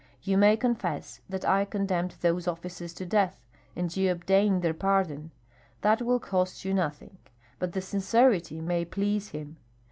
You may confess that I condemned those officers to death, and you obtained their pardon. That will cost you nothing, but the sincerity may please him.